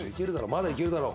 まだいけるだろ。